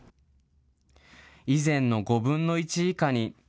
以前の５分の１以下に。